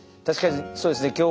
確かにそうですね